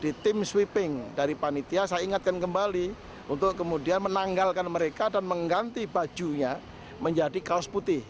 di tim sweeping dari panitia saya ingatkan kembali untuk kemudian menanggalkan mereka dan mengganti bajunya menjadi kaos putih